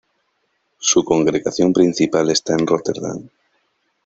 Su congregación principal está en Rotterdam.